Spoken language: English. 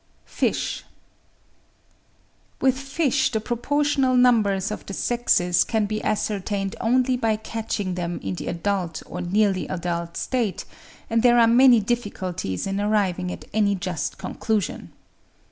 FISH. With fish the proportional numbers of the sexes can be ascertained only by catching them in the adult or nearly adult state; and there are many difficulties in arriving at any just conclusion.